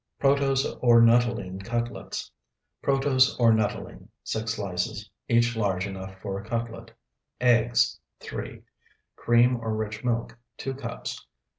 PROTOSE OR NUTTOLENE CUTLETS Protose or nuttolene, 6 slices, each large enough for a cutlet. Eggs, 3. Cream or rich milk, 2 cups.